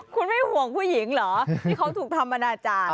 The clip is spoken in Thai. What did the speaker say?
คุณไม่ห่วงผู้หญิงเหรอที่เขาถูกทำอนาจารย์